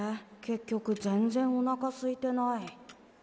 結局全然おなかすいてない。